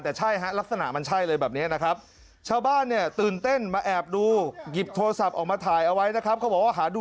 แต่ใช่ลักษณะมันใช่เลยแบบนี้นะครับ